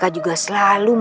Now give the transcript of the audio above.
aku mau ke kamar